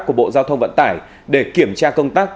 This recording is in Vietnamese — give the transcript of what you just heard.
của bộ giao thông vận tải để kiểm tra công tác